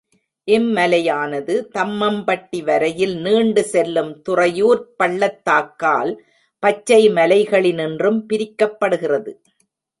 இம் மலையானது, தம்மம்பட்டி வரையில் நீண்டு செல்லும் துறையூர்ப் பள்ளத்தாக்கால் பச்சை மலைகளினின்றும் பிரிக்கப்படுகிறது.